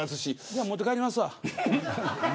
じゃあ持って帰りますわ。